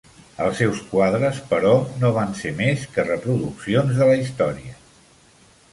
Els seus quadres, però, no van ser més que reproduccions de la història.